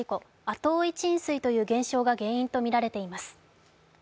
後追い沈水という現象が原因とみられています。